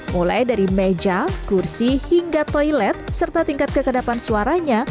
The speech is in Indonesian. mulai dari meja kursi hingga toilet serta tingkat kekadapan suaranya